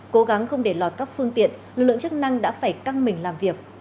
cố gắng không để lọt các phương tiện lực lượng chức năng đã phải căng mình làm việc